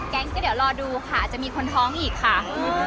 งั้นก็เดี๋ยวรอดูค่ะอาจจะมีคนท้องอีกค่ะ